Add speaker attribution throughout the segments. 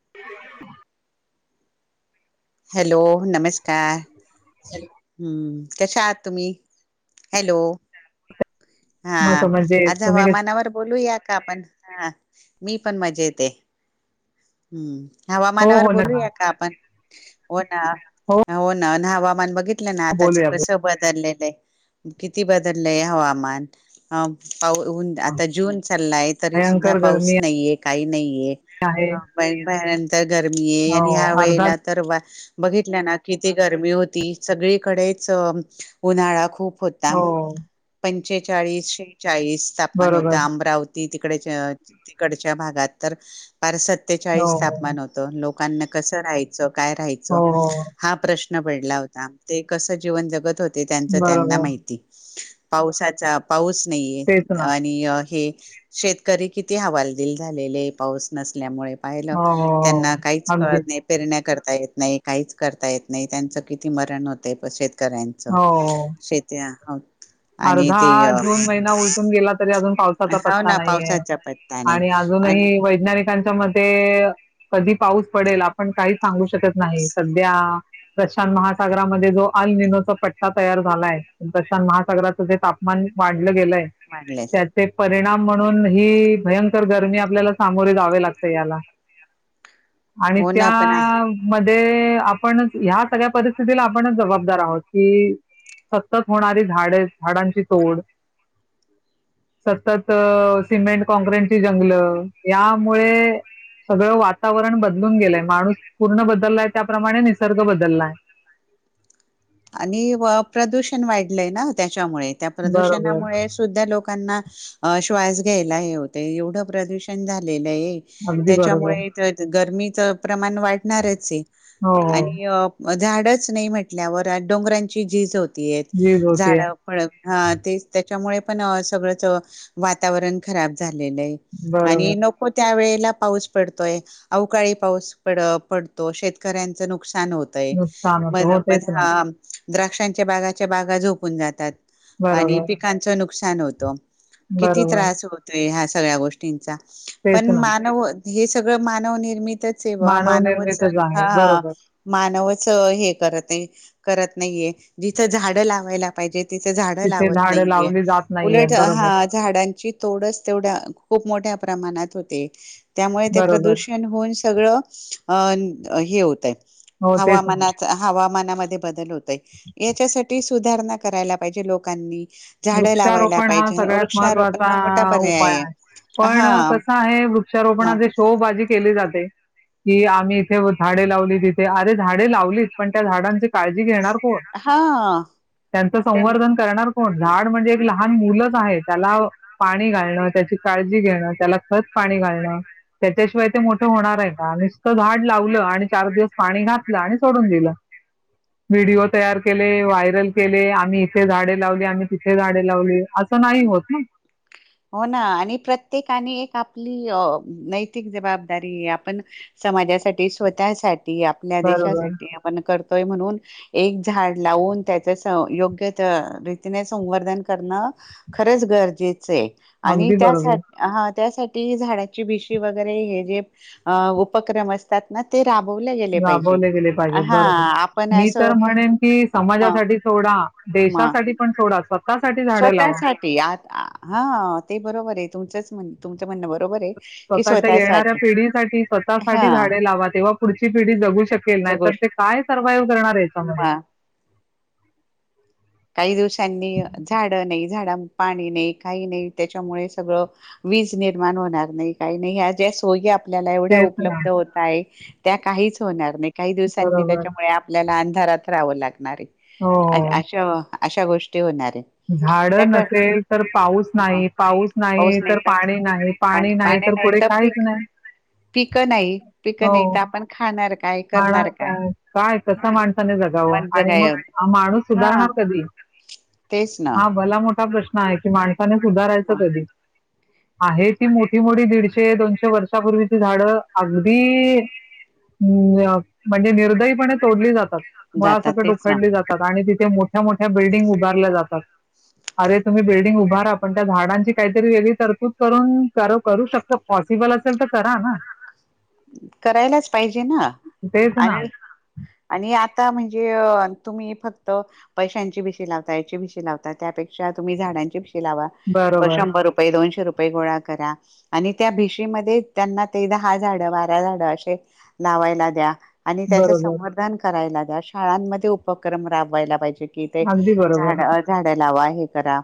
Speaker 1: [inaudible]
Speaker 2: Hello. नमस्कार.
Speaker 1: [unintelligible]
Speaker 2: कशा आहात तुम्ही? हॅलो. हा
Speaker 1: मस्त म्हणजे
Speaker 2: आज
Speaker 1: तुम्ही कसे
Speaker 2: हवामानावर बोलूयात. कामत हा. मी पण मजेत हे.
Speaker 1: हो
Speaker 2: हवामानावर
Speaker 1: हो नका
Speaker 2: बोलूया का आपण? [unintelligible] हा ना हो ना हाप हवामान बघित लं ना आताच
Speaker 1: बोलूया बोलूया.
Speaker 2: कसं बदलले किती बदलय हवामान पाऊन आता जून चाललाय तरी सुद्धा
Speaker 1: भयंकर
Speaker 2: पाऊस
Speaker 1: गर्मी
Speaker 2: नाहीये काही नाही.
Speaker 1: आहे
Speaker 2: भंयकर गरमी आहे
Speaker 1: हो
Speaker 2: आणि ह्या
Speaker 1: अर्धा
Speaker 2: वेळेला तर वा बघितल्या ना किती गरमी होती सगळीकडेच उन्हाळा खूप होता
Speaker 1: हो
Speaker 2: पण. छेचाळीसे. चाळीस तापमान होत
Speaker 1: बरोबर
Speaker 2: अमरावती ती तिकडेच्या तिकडच्या भागात तर पार
Speaker 1: हो
Speaker 2: सत्तेचाळीस
Speaker 1: हो
Speaker 2: तापमान होतं लोक लोकांना कसं राहायचं. काय राहायचं
Speaker 1: हो हो.
Speaker 2: हा प्रश्न पडला होता. ते कसं जीवन जगत होते ते त्यांच त्यांना
Speaker 1: बरोबर
Speaker 2: माहिती पावसाचा पाऊस. नाहीये
Speaker 1: तेच ना
Speaker 2: आणि हे, शेतकरी किती हवालदिल झालेले पाऊस नसल्यामुळे. पाहिलं
Speaker 1: हो हो
Speaker 2: त्यांना
Speaker 1: हो
Speaker 2: काहीच कळत
Speaker 1: अगदीच
Speaker 2: नाही पेरण्या करता येत. नाही काहीच करता येत नाही त्यांचं किती मरण होते तसेच. कऱायचं
Speaker 1: हो
Speaker 2: शेेत्या, हा.
Speaker 1: अर्धा जून महिना उलटून गेला तरी अजून पावसाचा
Speaker 2: हो
Speaker 1: पत्ता
Speaker 2: ना
Speaker 1: नाहीये
Speaker 2: पावसाचा पत्ता नाही
Speaker 1: आणि
Speaker 2: आणि
Speaker 1: अजूनही वैज्ञानिक त्यांच्या म कधी पाऊस पडेल आपण काही सांगूको शकत नाही सध्या प्रशांत महासागरामध्ये जो अल ननोचा पट्टा तयार झालाय प्रशांत महा सागराचा तापमान वाढ गेय
Speaker 2: म्हणले
Speaker 1: त्या परिणाम म्हणून ही भयंकर गरमी आपल्याला सामोरे जावे लागते याला आणि
Speaker 2: हो
Speaker 1: त्या
Speaker 2: ना पण आ
Speaker 1: म आपण ह्या सगळ्या परिस्थितीला आपणच जबाबदार आहोत की सतत होणारी झाडे झाडांची तोड सतत-अ सिमेंट काँक्रीटची जंगल यामुळे सगळं वातावरण बदलून गेलंय माणूस पूर्ण बदललाय त्याप्रमाणे निसर्ग बदललाय
Speaker 2: आणि व-प्रदूषण वाईट लयना त्या च्यामुळे त्या
Speaker 1: बरोबर.
Speaker 2: प्रदूषणामुळे सुद्धा लोकांना-अ श्वास घ्यायला हे होतंय एवढं प्रदूषण झालेलं अय
Speaker 1: अगदी बरोबर.
Speaker 2: त्याच्यामुळे त-तर गर्मी चं प्रमाण वाढणारच आहे
Speaker 1: हो, हो.
Speaker 2: आणि-अं झाडंच नाही म्हटल्यावर त्यात डोंगरांची झीज होते किती
Speaker 1: झीज
Speaker 2: आहेत
Speaker 1: होतीये.
Speaker 2: झाडावर फळं हा तेच तर त्यामुळे पण अ-सगळंच-अ वातावरण खराब झालेलंय आणि
Speaker 1: बरोबर.
Speaker 2: नको त्यावेळेत ला पाऊस पडतोय अवकाळी पाऊस पड-अ पडतो शेतकऱ्यांचं नुक....
Speaker 1: नुकसान होतं हो तेच ना
Speaker 2: हा द्राक्षांच्या बागाच्या बागा झोपून जातात आणि
Speaker 1: बरोबर,
Speaker 2: पिकांचं नुक--. सान होतं किती
Speaker 1: बरोबर.
Speaker 2: त्रास होतोय ह्या सगळ्या गोष्टींचा
Speaker 1: तेच
Speaker 2: पण
Speaker 1: ना.
Speaker 2: मानवच हे सगळं मानवनिर्मित तच आहे बा मानवच
Speaker 1: मानवनिर्मितच आहे.
Speaker 2: हा
Speaker 1: बरोबर.
Speaker 2: मानवच हे करत आहे करत नाहीये जिथं झाड लावायला पाहिजेत तिथ झाडं
Speaker 1: तिथे
Speaker 2: लावत
Speaker 1: झाडं
Speaker 2: नाहीये
Speaker 1: लावली जात नाहीयेत.
Speaker 2: उलट
Speaker 1: बरोबर,
Speaker 2: अ-हा झाडांची तोडच तेवढ्या खूप मोठ्या प्रमाणात होते त्यामुळे ते
Speaker 1: बरोबर.
Speaker 2: प्रदूषण होऊन सगळं-अ... हे होत आहे
Speaker 1: हो, तेच ना.
Speaker 2: हवामानाचा हवामान बदल होत आहे याच्यासाठी सुधारणा करायला पाहिजे लोकांनी झाडं लावायला
Speaker 1: वृक्षारोपण हा
Speaker 2: पाहिजे
Speaker 1: सगळ्यात
Speaker 2: वृक्षारोपण मोठा
Speaker 1: महत्त्वाचा
Speaker 2: पर्याय
Speaker 1: उपाय आहे
Speaker 2: हा
Speaker 1: पण कसं आहे
Speaker 2: म
Speaker 1: वृक्षारोपणाची शोबाजी केली जाते कि आम्ही इथे झाडे लावली तिथे अरे झाडे लावलीत पण त्या झाडांची काळजी घेणार कोण
Speaker 2: हा
Speaker 1: त्यांचं
Speaker 2: त्यां
Speaker 1: संवर्धन करणार कोण? झाड म्हणजे एक लहान मुलंच आहे त्याला पाणी घालणं त्याची काळजी घेणं त्याला खत पाणी घालणं त्याच्याशिवाय ते मोठं होणार आहे का नुसतं झाड लावलं आणि चार दिवस पाणी घातलं आणि सोडून दिलं व्हिडिओ तयार केले व्हायरल केले आम्ही इथे झाडे लावली आम्ही तिथे गाडी लावली असं नाही होत ना?
Speaker 2: हो ना आणि प्रत्येकाने एक आपली नैतिक जबाबदारी आपण समाजासाठी स्वतःसाठी आपल्या
Speaker 1: बरोबर.
Speaker 2: देशासाठी आपण करतोय म्हणून एक झाड लावून त्याच योग्य रीतीने संवर्धन करणं खरंच गरजेचं आहे. आणि
Speaker 1: अगदी बरोबर.
Speaker 2: त्यासाठी हा त्यासाठी झाडाची भीशी वगैरे हे जे उपक्रम असतात ना ते. राबवले गेले
Speaker 1: ह
Speaker 2: पाहिजे.
Speaker 1: बोलले गेले पाहिजेत.
Speaker 2: हा
Speaker 1: बरोबर
Speaker 2: आपण
Speaker 1: मी
Speaker 2: असं
Speaker 1: तर म्हणेन की
Speaker 2: म
Speaker 1: समाजासाठी सोडा देशासाठी पण सोडा स्वतः.
Speaker 2: स्वतः साठी आ हा ते बरोबर आहे तुम च तुमं म्हणं बरोबर आहे. कि
Speaker 1: स्वतःच्या येणाऱ्या
Speaker 2: स्वतःसाठी
Speaker 1: पिढीसाठी
Speaker 2: हा
Speaker 1: स्वतःसाठीठी झाडे लावा. तेव्हा पुढची पिढी जगू शकते. नाही तर ते काय सर्वायव करणार? याच्यामध्ये?
Speaker 2: हमा. काही दिवसांनी झाड नाही. झाडंना पाणी नाही काही नाही. त्याच्यामुळे सगळ वीज निर्माण होणार नाही काही नाही ज्या सोय आपल्याला एवढ्या
Speaker 1: तेच ना,
Speaker 2: उपलब्ध होत आहे. त्या काहीच होणार नाही. काही दिवसांनी
Speaker 1: बरोबर.
Speaker 2: त्याच्यामुळे आपल्याला अंधारात. राव लागं. नारे अण अशा अशा गोष्टी होणार. आहे
Speaker 1: झाड
Speaker 2: त्या कर
Speaker 1: नसेल तर पाऊस
Speaker 2: मग
Speaker 1: नाही पाऊस नाही तर पाणी नाही पाणी नाही तर पुढे काहीच नाही
Speaker 2: पिकं नाही पिकं
Speaker 1: हो.
Speaker 2: नाही तर आपण खाणार काय करणार काय
Speaker 1: म्हण काय कसा माणसाने जगावं
Speaker 2: वंज
Speaker 1: आणि मग
Speaker 2: काय
Speaker 1: माणूस
Speaker 2: हा
Speaker 1: सुधारणार.
Speaker 2: तेच ना
Speaker 1: हा भला मोठा प्रश्न आहे. माण सुधारायचं
Speaker 2: मग
Speaker 1: कधी? आहे ती मोठी मोठी दीडशे दोनशे वर्षापूर्वीची झाडं अगदी ह म्हणजे निर्दयीपणे तोडली जातात.
Speaker 2: जातात
Speaker 1: मुळासकट
Speaker 2: तेच ना
Speaker 1: उखडली जातात आणि तिथे मो मोठ्या मोठ्या बिल्डिंग उभारल्या जातात. अरे तुम्ही बिल्डिंग उभारा पण त्या झाडांची काहीतरी वेगळी तरतूद करून करू शकत पॉसिबल असेल तर करा ना.
Speaker 2: करायलाच पाहिजे ना.
Speaker 1: तेच ना
Speaker 2: आणि आणि आ आता म्हणजे तुम्ही फक्त पैशांची भिशी लावता याची भिशी लावता त्यापेक्षा तुम्ही झाडांची लावा
Speaker 1: बरोबर
Speaker 2: शंभर रुपे दोनशे रुपये गोळा करा आणि त्या भीशीमध्ये त्यांना तेदा हा झाड. वाऱ्या झाड असे लावायला द्या. आणि त्याचं
Speaker 1: बरोबर
Speaker 2: संवर्धन करायला शाळांमध्ये उपक्रम राबवायला पाहिजे. कि ते
Speaker 1: अगदी बरोबर
Speaker 2: झाड झाडं लावाय. हे करा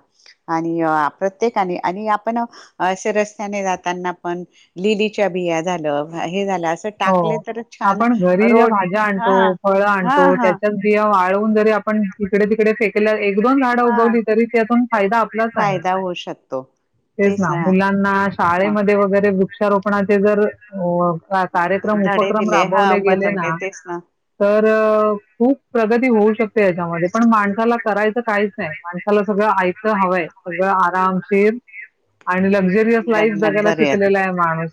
Speaker 2: आणि प्रत्येकाने आणि आपण असे रस्त्याने जाताना पण लिलीच्या बिया झालं. हे झालं असं टाकले
Speaker 1: हो
Speaker 2: तर छान
Speaker 1: आपण घरी ज्या
Speaker 2: रोड
Speaker 1: भाज्या आणतो
Speaker 2: हा
Speaker 1: फळ
Speaker 2: हा
Speaker 1: आणतो
Speaker 2: हा
Speaker 1: त्याच्याच बिया वाळवून जरी आपण तिकडे तिकडे फेकयला. एक दोन झाड
Speaker 2: हा
Speaker 1: उगवली तरी त्यातून फायदा आपलाच आहे
Speaker 2: फायदा होऊ शकतो
Speaker 1: तेच ना मुलांना
Speaker 2: मग
Speaker 1: शाळेमध्ये वगैरेु वोपणा जर कार्यक्रम
Speaker 2: धडे
Speaker 1: उपक्रम
Speaker 2: दिले हा
Speaker 1: राबवले गेले
Speaker 2: बदलले
Speaker 1: ना
Speaker 2: तेच
Speaker 1: तर खूप प्रगती होऊ शकते. त्याच्यामध्ये पण माणसाला करायचं काहीच नाही माणसाला सगळं आयचं हवंय सगळं आरामशीर. आणि लक्झरियस लाईफ जगायला
Speaker 2: लक्झरीयत
Speaker 1: शिकलेला आहे माणूस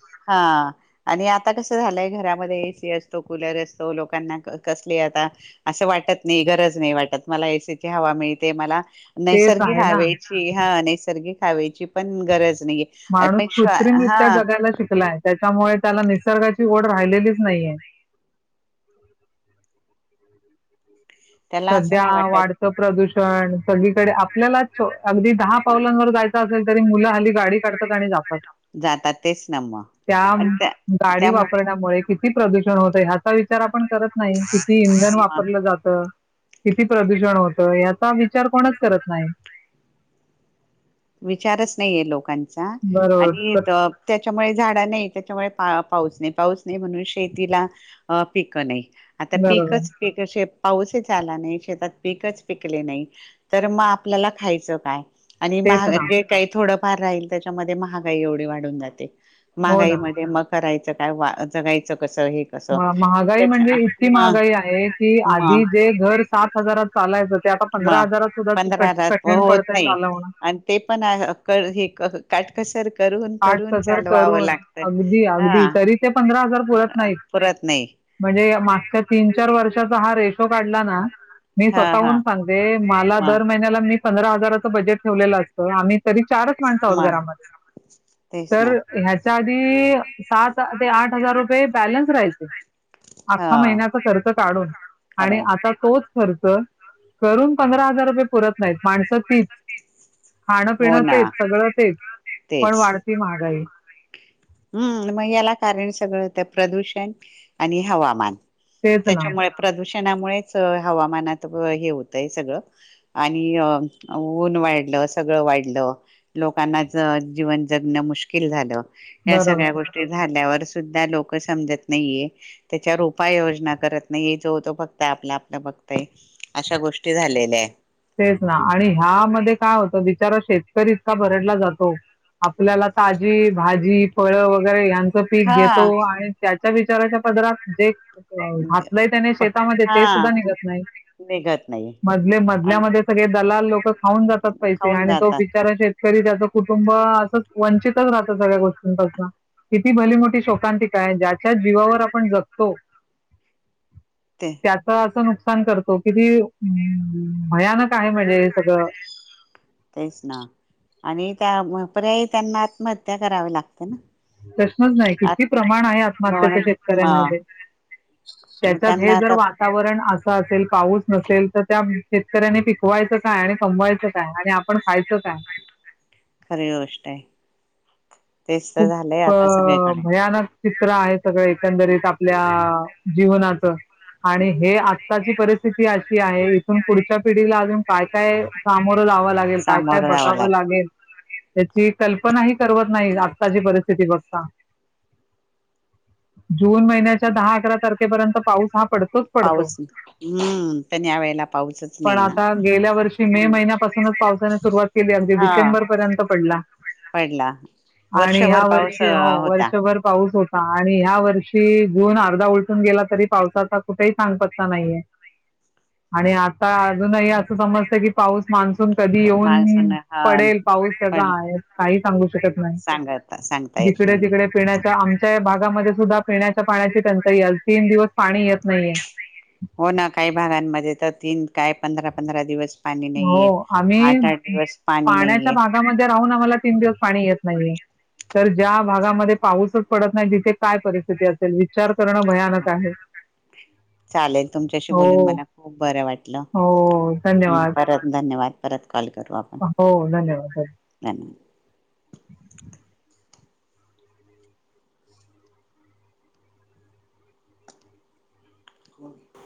Speaker 2: अस झालंय घरामध्ये एसी असतो कुलर असतो लोकांना कसली आता असं वाटत नाही गरज नाही वाटत मला एसीची हवा मिळते मला
Speaker 1: तेच
Speaker 2: नैसर्गिक
Speaker 1: आहे ना.
Speaker 2: हवेची हा नैसर्गिक खवायची पण गरज नाही.
Speaker 1: माणूस कृत्रिमित्या जगायला शिकलाय त्याच्यामुळे त्याला निसर्गा ड राहिली नाही.
Speaker 2: त्याला असं
Speaker 1: सध्या
Speaker 2: नाही वाटत.
Speaker 1: वाढतं प्रदूषण सगळीकडे आपल्यालाच अगदी दहा पावलांवर जायचं असेल तरी मुलं हली गाडी काढत.
Speaker 2: जातात तेच ना मग
Speaker 1: त्या
Speaker 2: पण
Speaker 1: गाडी
Speaker 2: त्या मो
Speaker 1: वापरण्यामुळे किती प्रदूषण होय हा विचार आपण. करत नाही किती इंधन
Speaker 2: मग
Speaker 1: वापरलं जातं. किती प्रदूषण होतं याचा विचार कोणच करत नाही.
Speaker 2: विचारच नाही आहे लोकांचा
Speaker 1: बरोबर
Speaker 2: आणि
Speaker 1: ब-
Speaker 2: त्याच्यामुळे झाड नाही त्याच्यामुळे पाऊस नाही पाऊस नाही म्हणून शेतीला पिक नाही. आता
Speaker 1: बरोबर
Speaker 2: पीकचे पाऊसच आला नाही शेतात पीकच पिकले नाही तर मग आपल्याला खायचं काय?
Speaker 1: तेच ना
Speaker 2: महागे काही थोडं. फार राहील त्याच्यामध्ये महागाई एवढी वाढून जाते.
Speaker 1: हो ना
Speaker 2: मगाईमध्ये मकरयच. काय जगायचं. कसं हे कसं
Speaker 1: महागाई म्हणजे
Speaker 2: त्याच्या
Speaker 1: इतकी
Speaker 2: म
Speaker 1: महागाई आहे की,
Speaker 2: म
Speaker 1: आधी जे घर सात हजारात चालायचं ते आता पंधरा
Speaker 2: म
Speaker 1: हजारात सुद्धा
Speaker 2: पंधरा
Speaker 1: कठीण
Speaker 2: होत
Speaker 1: पडतय
Speaker 2: नाही
Speaker 1: चालवण.
Speaker 2: आणि ते पण हे काटकसर. करून
Speaker 1: आठ
Speaker 2: करून
Speaker 1: हजार
Speaker 2: चालवावं
Speaker 1: करून
Speaker 2: लागतं
Speaker 1: अगदी अगदी
Speaker 2: हा
Speaker 1: तरी ते पंधरा हजार पुरत नाहीत.
Speaker 2: पुरत नाही
Speaker 1: म्हणजे मागच्या तीन चार वर्षाचा हा रेश तो काढला ना. मी
Speaker 2: हा हा
Speaker 1: स्वतःहून सांगते मला
Speaker 2: म
Speaker 1: दर महिन्याला मी पंधरा हजाराचं बजेट ठेवलेलं असतं आम्ही तरी चारच माणसा आहोत
Speaker 2: मग
Speaker 1: घरामध्ये.
Speaker 2: तेच ना
Speaker 1: तर ह्याच्या ते सात ते आठ हजार रुपये बॅलन्स राहील.
Speaker 2: हा
Speaker 1: आख्खा महिन्याचा खर्च काढून आणि
Speaker 2: काढून
Speaker 1: आता तोच खर्च. करून पंधरा हजार रुपये पुरत नाहीत माणसं तीच खाणं
Speaker 2: हो
Speaker 1: पिणं
Speaker 2: ना
Speaker 1: तेच सगळं तेच पण वाढती महागाई.
Speaker 2: हम् मग याला कारण सगळं तर प्रदूषण आणि हवामान,
Speaker 1: तेच ना
Speaker 2: त्याच्यामुळे प्रदूषण, णामुळेच हवामानात हे होतंय सगळं आणि ऊन वाढलं. सगळं वाढलं लोकांना जीवन जगण मुश्किल झालं. या
Speaker 1: बरोबर
Speaker 2: सगळ्या गोष्टी झाल्यावर. सुद्धा लोक समजत नाहीये त्याच्यावर उपाययोजना करत नाहीये. जो तो फक्त आपला आपला बघतय अशा गोष्टी झालेल्या आहेत.
Speaker 1: तेच ना आणि ह्यामध्ये काय होतं बिचारा शेतकरी इतका भरडला जातो आपल्याला ताजी भाजी फळ वगैरे यां पीक घेतो.
Speaker 2: हा
Speaker 1: आणि त्याच्या प विाराच्या पदरात ज घातलंय त्याने
Speaker 2: पण
Speaker 1: शेतामध्ये ते
Speaker 2: हा
Speaker 1: सुद्धा निघत नाही.
Speaker 2: निघत नाही
Speaker 1: मजले मज
Speaker 2: आणि
Speaker 1: मधल्यामध्ये सगळे दलाल लोक खाऊन जातात पैसे
Speaker 2: खाऊन
Speaker 1: आणि तो
Speaker 2: जातात
Speaker 1: बिचारा शेतकरी त्याच कुटुंब अस वंचितच राहत सगळ्या गोष्टींपासून किती भली मोठी शोकांती काय ज्याच्या जीवावर आपण जगतो.
Speaker 2: ते
Speaker 1: त्याच असं नुक तो कि भयानक आहे म्हणजे हे सगळं.
Speaker 2: तेच ना आणि त्या पर्याय त्यांना आत्महत्या करावी लागते. ना
Speaker 1: प्रश्नच नाही
Speaker 2: आत्
Speaker 1: किती प्रमाण आहे आत्महत्याच्या
Speaker 2: मग
Speaker 1: शेतकऱ्यांमध्ये
Speaker 2: मग
Speaker 1: त्याच्यात
Speaker 2: त्यांना
Speaker 1: हे जर
Speaker 2: आता
Speaker 1: वातावरण असं असेल. पाऊस नसेल तर त्या शेतकऱ्यांनी पिकवायचं काय आणि कमवायचं काय आणि आपण खायचं काय.
Speaker 2: खरी गोष्ट आहे. तेच तर
Speaker 1: खूप
Speaker 2: झालंय आता सगळीकडे
Speaker 1: भयानक चित्र आहे सगळ एकंदरीत आपल्या जीवनाचं आणि हे आताची परिस्थिती अशी आहे, इथून पुढच्या पिढीला अजून काय काय सामोरे लावावं लागेल काय काय
Speaker 2: सामोरं जावं लाग
Speaker 1: बघावं लागेल. त्याची कल्पनाही करवत नाही. आत्ताची परिस्थिती बघता. जून महिन्याच्या दहा अकरा तारखेपर्यंत पाऊस हा पडतो तोच पडतो.
Speaker 2: पाऊस हम्म पण या वेळेला पाऊसच
Speaker 1: पण
Speaker 2: नाही ना
Speaker 1: आता गेल्या वर्षी मे महिन्यापासूनच पावसाने सुरुवात केली अगदी
Speaker 2: हा
Speaker 1: डिसेंबर पर्यंत पडला.
Speaker 2: पडला
Speaker 1: आणि ह्या
Speaker 2: वर्षभर पाऊस
Speaker 1: वर्षी हो
Speaker 2: होता
Speaker 1: वर्षभर पाऊस पाऊस होता. आणि ह्या वर्षी जून अर्धा उलटून गेला तरी पावसाचा कुठेही सांगपत्ता नाहीये. आणि आता अजूनही अस समजत की पाऊस मानसून कधी येऊन
Speaker 2: माणसान हा
Speaker 1: पडेल पाऊस त्याचा
Speaker 2: पण
Speaker 1: आहे काहीच सांगु शकत नाही.
Speaker 2: सांगता सांगता येत
Speaker 1: जिकडे
Speaker 2: नाहीये
Speaker 1: तिकडे पिण्याच्या आमच्या या भागामध्ये सुद्धा पिण्याच्या पाण्याची टंचाई आज तीन दिवस पाणी येत नाहीये
Speaker 2: हो ना काही भागांमध्ये तर तीन काय पंधरा पंधरा दिवस पाणी
Speaker 1: हो
Speaker 2: नाहीये
Speaker 1: आम्ही
Speaker 2: आठ आठ दिवस पाणी
Speaker 1: पाण्याच्या
Speaker 2: नाहीये
Speaker 1: भागामध्ये राहून आम्हाला तीन दिवस पाणी येत नाही तर ज्या भागामध्ये पाऊसच पडत नाही जिथे काय परिस्थिती असेल विचार करणं भयानक आहे
Speaker 2: चालेल तुमच्याशी बोलून
Speaker 1: हो
Speaker 2: मला खूप बरं वाटलं
Speaker 1: हो धन्यवाद
Speaker 2: परत धन्यवाद परत कॉल करू आपण
Speaker 1: हो धन्यवाद्य
Speaker 2: धन्यवाद
Speaker 1: [unintelligible]
Speaker 2: हो